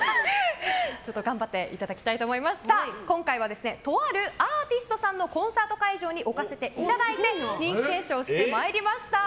頑張っていただきたいと思いますが、今回はとあるアーティストさんのコンサート会場に置かせていただいて人気検証してまいりました。